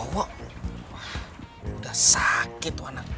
wah udah sakit tuh anak